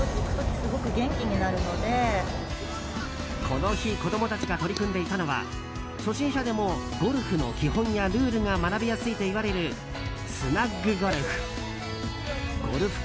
この日子供たちが取り組んでいたのは初心者でもゴルフの基本やルールが学びやすいといわれるスナッグゴルフ。